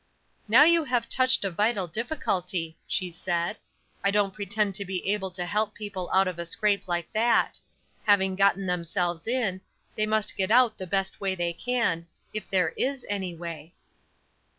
"Now you have touched a vital difficulty," she said. "I don't pretend to be able to help people out of a scrape like that. Having gotten themselves in, they must get out the best way they can, if there is any way."